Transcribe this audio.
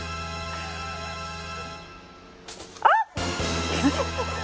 ・あっ！